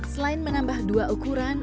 selain menambah dua ukuran